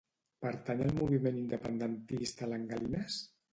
Pertany al moviment independentista l'Anguelines?